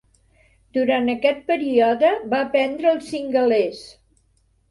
Durant aquest període va aprendre el cingalés.